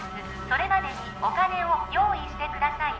それまでにお金を用意してください